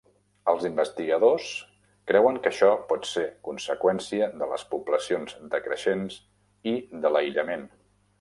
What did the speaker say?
Els investigadors creuen que això pot ser conseqüència de les poblacions decreixents i de l'aïllament.